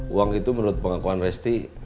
uang itu menurut pengakuan resti